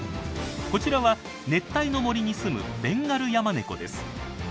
こちらは熱帯の森にすむベンガルヤマネコです。